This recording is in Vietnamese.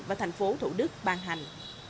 và thành phố thủ đức ban hành